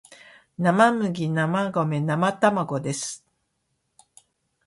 生麦生米生卵です